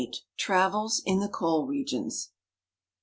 TRAVELS IN THE COAL REGIONS.